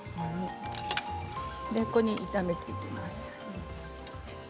ここに炒めていきます。